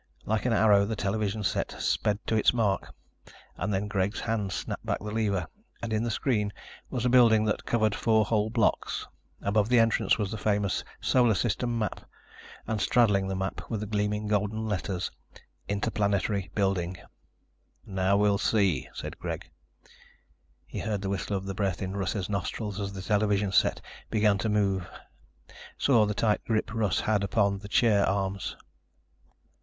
Like an arrow the television set sped to its mark and then Greg's hand snapped back the lever and in the screen was a building that covered four whole blocks. Above the entrance was the famous Solar System map and straddling the map were the gleaming golden letters: INTERPLANETARY BUILDING. "Now we'll see," said Greg. He heard the whistle of the breath in Russ's nostrils as the television set began to move, saw the tight grip Russ had upon the chair arms.